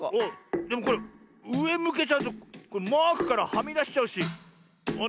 でもこれうえむけちゃうとマークからはみだしちゃうしあっダメだ。